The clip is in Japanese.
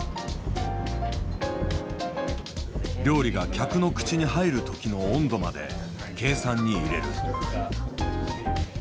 料理が客の口に入る時の温度まで計算に入れる。